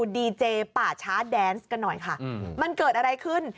ดีเจป่าช้าแดนซ์กันหน่อยค่ะมันเกิดอะไรขึ้น